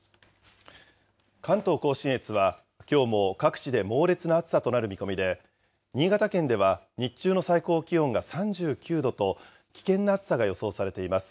関東甲信越は、きょうも各地で猛烈な暑さとなる見込みで、新潟県では日中の最高気温が３９度と、危険な暑さが予想されています。